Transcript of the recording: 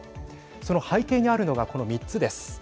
その背景にあるのがこの３つです。